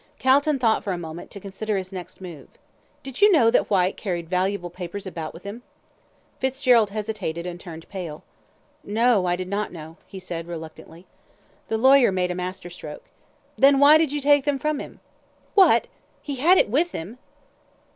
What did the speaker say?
Calton thought for a moment, to consider his next move. "Did you know that Whyte carried valuable papers about with him?" Fitzgerald hesitated, and turned pale. "No! I did not know," he said, reluctantly. The lawyer made a master stroke. "Then why did you take them from him?" "What! Had he it with him?"